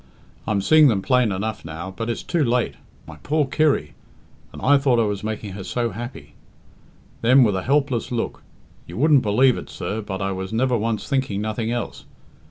I'm seeing them plain enough now. But it's too late! My poor Kirry! And I thought I was making her so happy!" Then, with a helpless look, "You wouldn't believe it, sir, but I was never once thinking nothing else.